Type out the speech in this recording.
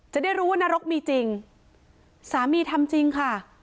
จะได้รู้ว่านรกมีจริงสามีทำจริงค่ะ